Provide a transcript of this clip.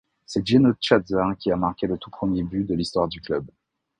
C'est Jenő Császár qui a marqué le tout premier but de l'histoire du club.